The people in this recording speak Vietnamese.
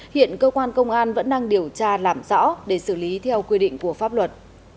hiện cơ quan công an vẫn đang điều tra làm rõ để xử lý theo quy định của pháp luật